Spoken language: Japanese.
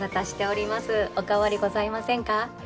お変わりございませんか？